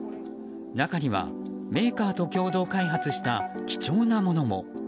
中には、メーカーと共同開発した貴重なものも。